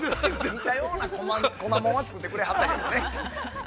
◆似たような作ってくれはったけどね。